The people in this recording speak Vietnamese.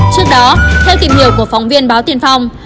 trước đó theo tìm hiểu của phóng viên báo tiền phong